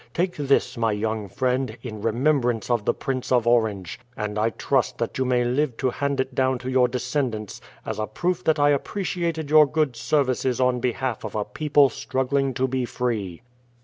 Take this, my young friend, in remembrance of the Prince of Orange; and I trust that you may live to hand it down to your descendants as a proof that I appreciated your good services on behalf of a people struggling to be free.